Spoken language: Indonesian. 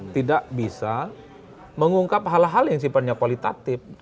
tidak bisa mengungkap hal hal yang sifatnya kualitatif